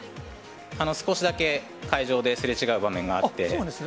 少しだけ、会場ですれ違う場面があって。